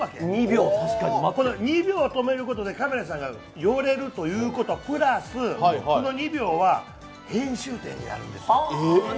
２秒止めることでカメラさんが寄れるということプラス、この２秒は編集点になるんですよ。